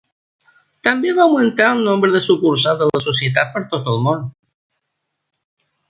També va augmentar el nombre de sucursals de la Societat per tot el món.